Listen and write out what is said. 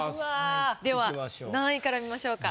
では何位から見ましょうか？